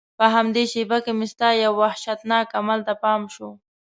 په همدې شېبه کې مې ستا یو وحشتناک عمل ته پام شو.